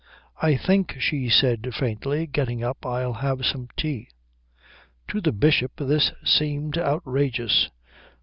"I think," she said faintly, getting up again, "I'll have some tea." To the Bishop this seemed outrageous.